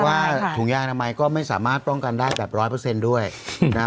ผมบอกว่าถุงยากน้ำไม้ก็ไม่สามารถต้องการได้แบบร้อยเปอร์เซ็นต์ด้วยนะครับ